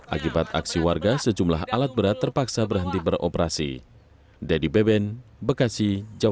akibat aksi warga sejumlah alat berat terpaksa berhenti beroperasi